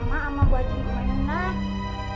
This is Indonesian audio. mak sama bu aji gue ngenah